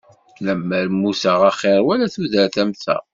Lemmer mmuteɣ axir wala tudert am ta.